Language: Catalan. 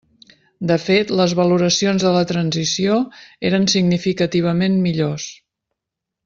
De fet, les valoracions de la transició eren significativament millors.